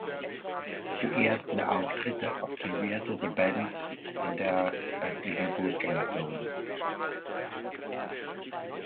Die ersten Auftritte absolvierte die Band in der örtlichen Fußgängerzone.